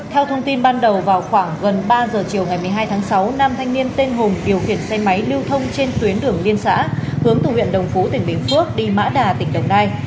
theo thông tin ban đầu vào khoảng gần ba giờ chiều ngày một mươi hai tháng sáu nam thanh niên tên hùng điều khiển xe máy lưu thông trên tuyến đường liên xã hướng từ huyện đồng phú tỉnh bình phước đi mã đà tỉnh đồng nai